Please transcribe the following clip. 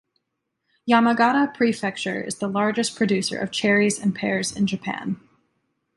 Yamagata Prefecture is the largest producer of cherries and pears in Japan.